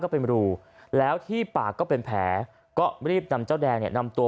เป็นรูแล้วที่ปากก็เป็นแผลก็รีบนำเจ้าแดงเนี่ยนำตัว